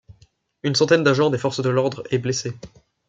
Une centaine d’agents des forces de l'ordre est blessée.